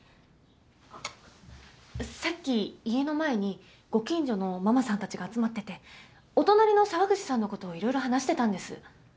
あっさっき家の前にご近所のママさんたちが集まっててお隣の沢口さんのことを色々話してたんです。